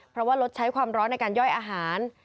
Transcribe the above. เพราะว่าลดใช้ความร้อนในการย่อยอาหาร